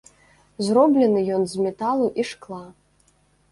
Зроблены ён з металу і шкла.